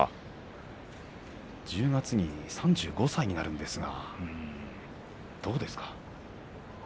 １０月に３５歳になるんですがどうですか。